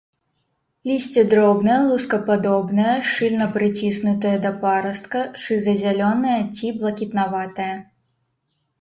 Лісце дробнае лускападобнае, шчыльна прыціснутае да парастка, шыза-зялёнае ці блакітнаватае.